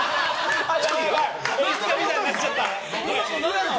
演出家みたいになっちゃった。